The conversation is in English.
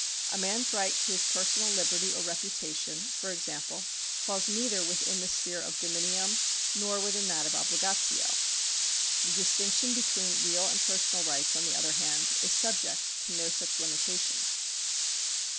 A man's right to his personal liberty or reputation, for example, falls neither within the sphere of dominium nor within that of ohligatio. The distinction between real and personal rights, on the other hand, is subject to no such limitation.